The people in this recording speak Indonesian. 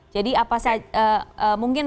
jadi apa mungkin